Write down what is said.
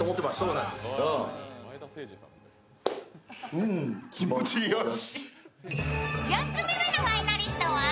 うん、気持ちよし。